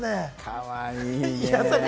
かわいいね。